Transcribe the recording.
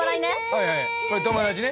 はいはいこれ友達ね。